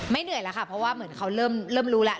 เหนื่อยแล้วค่ะเพราะว่าเหมือนเขาเริ่มรู้แล้ว